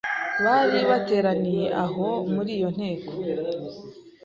bari bateraniye aho muri iyo nteko